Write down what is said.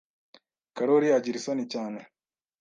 Karoli agira isoni cyane.